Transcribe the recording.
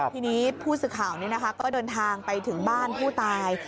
ทีนี้ผู้สื่อข่าวก็เดินทางไปถึงบ้านผู้ตาย